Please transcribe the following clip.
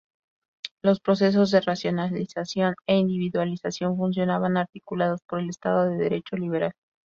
Los procesos de racionalización e individualización funcionaban articulados por el Estado de Derecho liberal.